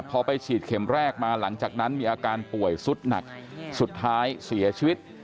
พอไปฉีดเข็มแรกมาหลังจากนั้นมีอาการป่วยสุดหนักสุดท้ายเสียชีวิต